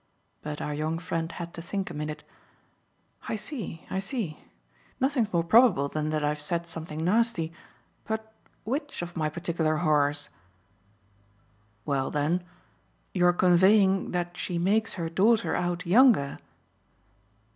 But our young friend had to think a minute. "I see, I see. Nothing's more probable than that I've said something nasty; but which of my particular horrors?" "Well then, your conveying that she makes her daughter out younger